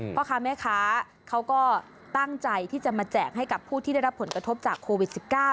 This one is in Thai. พ่อค้าแม่ค้าเขาก็ตั้งใจที่จะมาแจกให้กับผู้ที่ได้รับผลกระทบจากโควิด๑๙